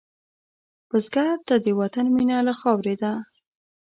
بزګر ته د وطن مینه له خاورې ده